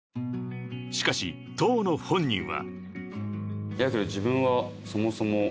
［しかし当の本人は］